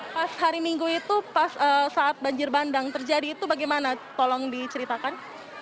pas hari minggu itu pas saat banjir bandang terjadi itu bagaimana tolong diceritakan